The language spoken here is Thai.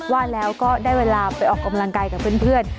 ว่าแล้วก็ได้เวลาไปออกกำลังกายกับเพื่อน